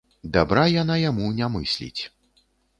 Дабра яна яму не мысліць.